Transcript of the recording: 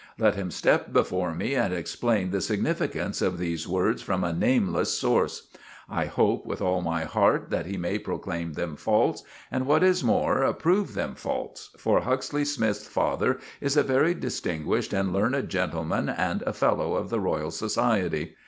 Let him step before me and explain the significance of these words from a nameless source. I hope with all my heart that he may proclaim them false, and, what is more, prove them false, for Huxley Smythe's father is a very distinguished and learned gentleman, and a Fellow of the Royal Society.